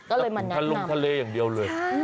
ก็เลยมาแนะนำลงทะเลอย่างเดียวเลย